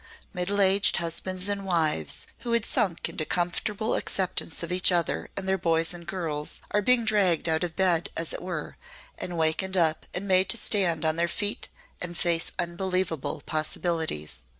Middle aged husbands and wives who had sunk into comfortable acceptance of each other and their boys and girls are being dragged out of bed, as it were, and wakened up and made to stand on their feet and face unbelievable possibilities.